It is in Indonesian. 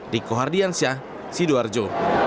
diko hardiansyah sidoarjo